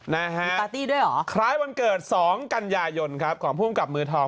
ปาร์ตี้ด้วยหรอคร้ายวันเกิดสองกันยายนของพ่วงกับมือทอง